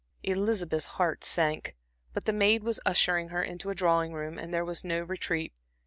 Elizabeth's heart sank, but the maid was ushering her into the drawing room, and there was no retreat.